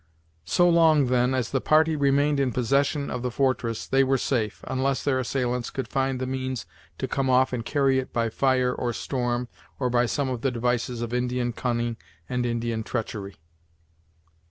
So long, then, as the party remained in possession of the fortress, they were safe, unless their assailants could find the means to come off and carry it by fire or storm, or by some of the devices of Indian cunning and Indian treachery.